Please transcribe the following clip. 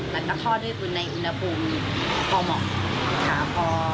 แล้วก็ทอดด้วยกลุ่นในอุณหภูมิพอเหมาะค่ะ